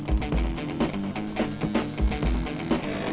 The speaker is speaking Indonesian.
bajah yang lagi ngejar motor